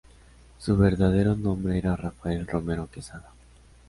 Su verdadero nombre era Rafael Romero Quesada.